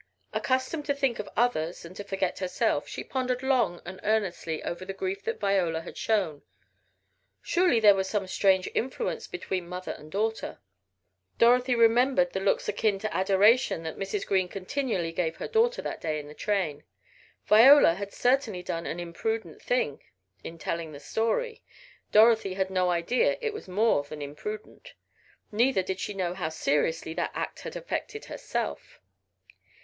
Accustomed to think of others and to forget herself, she pondered long and earnestly over the grief that Viola had shown. Surely there was some strange influence between mother and daughter. Dorothy remembered the looks akin to adoration that Mrs. Green continually gave her daughter that day in the train. Viola had certainly done an imprudent thing in telling the story, Dorothy had no idea it was more than imprudent; neither did she know how seriously that act had affected herself.